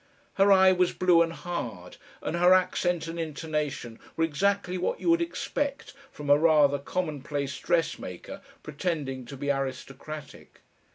Her eye was blue and hard, and her accent and intonation were exactly what you would expect from a rather commonplace dressmaker pretending to be aristocratic.